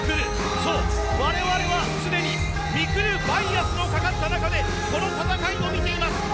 そう、我々はすでに未来バイアスのかかった中でこの戦いを見ています。